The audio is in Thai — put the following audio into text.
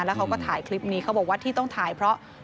แล้วเขาก็ถ่ายคลิปนี้เขาบอกว่าที่ต้องถ่ายเพราะ